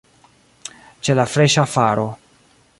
Ĉe la freŝa faro.